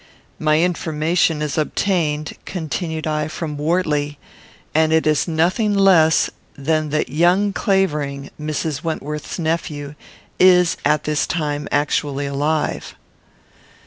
"My information is obtained," continued I, "from Wortley; and it is nothing less than that young Clavering, Mrs. Wentworth's nephew, is, at this time, actually alive."